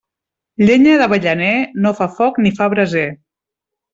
Llenya d'avellaner, no fa foc ni fa braser.